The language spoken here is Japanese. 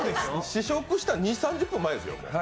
試食したの２０３０分前ですよ？